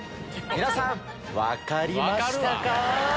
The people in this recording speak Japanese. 皆さん分かりましたか？